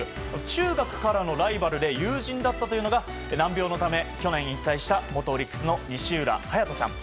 中学からのライバルで友人だったというのが難病のため去年引退した元オリックスの西浦颯大さん。